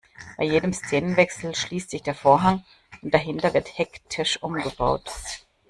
Bei jedem Szenenwechsel schließt sich der Vorhang und dahinter wird hektisch umgebaut.